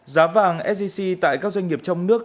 giá vàng sgc tại các doanh nghiệp trong nước